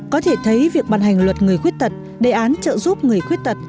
có thể thấy việc bàn hành luật người khuyết tật đề án trợ giúp người khuyết tật